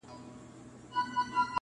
• د جانان دي زکندن دی د سلګیو جنازې دي -